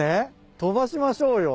飛ばしましょうよ。